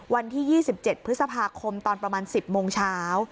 วันที่๒๗พฤษภาคมตอนประมาณ๑๐โมงเช้า